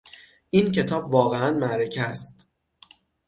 این کتاب واقعا معرکه است.